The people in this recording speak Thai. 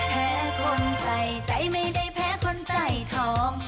แพ้คนใส่ใจไม่ได้แพ้คนใส่ทอง